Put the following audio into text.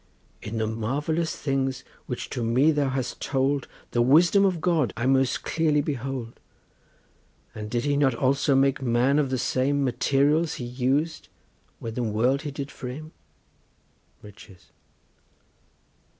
In the marvellous things, which to me thou hast told The wisdom of God I most clearly behold, And did He not also make man of the same Materials He us'd when the world He did frame? RICHES.